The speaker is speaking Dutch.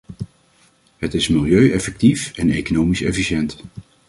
Het is milieueffectief en economisch efficiënt.